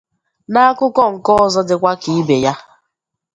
N'akụkọ nke ọzọ dịkwa ka ibè ya